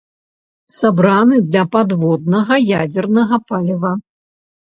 Сабраны для падводнага ядзернага паліва.